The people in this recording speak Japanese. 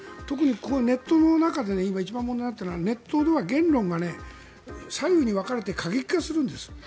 特にネットの中で今、一番問題になっているのはネットでは言論が左右に分かれて過激化するんです。